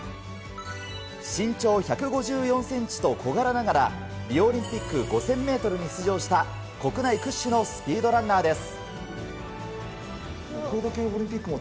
身長１５４ｃｍと小柄ながら、リオオリンピック５０００ｍに出場した国内屈指のスピードランナーです。